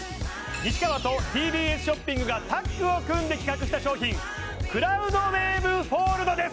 西川とＴＢＳショッピングがタッグを組んで企画した商品クラウドウェーブフォールドです